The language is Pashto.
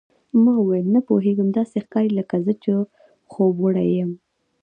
ما وویل، نه پوهېږم، داسې ښکاري لکه زه چې خوبوړی یم.